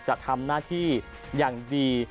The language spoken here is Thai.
จะทำหน้าที่อย่างดี